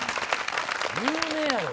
有名やろ。